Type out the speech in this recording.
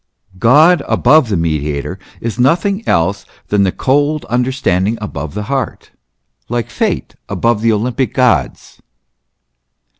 * God above the Mediator is nothing else than the cold understanding above the heart, like Fate above the Olympic gods.